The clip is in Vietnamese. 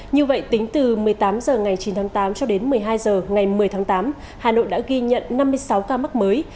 như vậy tính từ một mươi tám h ngày chín tháng tám cho đến một mươi hai h ngày một mươi tháng tám hà nội đã ghi nhận năm mươi sáu ca mắc mới